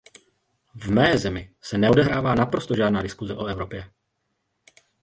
V mé zemi se neodehrává naprosto žádná diskuse o Evropě.